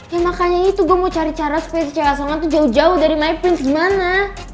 ya makanya itu gue mau cari cara supaya si cewek asongan itu jauh jauh dari my prince gimana